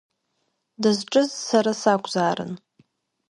Дызҿыз сара сакәзаарын.